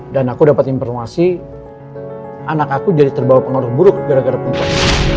dan aku dapat informasi anak aku jadi terbawa pengaruh buruk gara gara perempuan